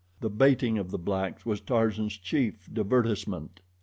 The baiting of the blacks was Tarzan's chief divertissement.